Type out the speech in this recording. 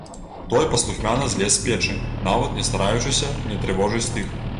Той паслухмяна злез з печы, нават не стараючыся не трывожыць тых.